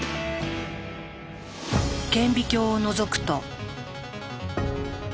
顕微鏡をのぞくと。